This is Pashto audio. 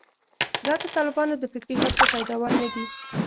دا د طالبانو د فکري هڅو پیداوار نه دي.